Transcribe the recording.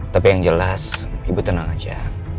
tapi yang jelas ibu tenang aja